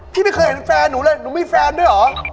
พี่ไม่เคยเห็นแฟนหนูเลยหนูมีแฟนด้วยเหรอ